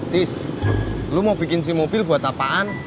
tis lu mau bikin sim mobil buat apaan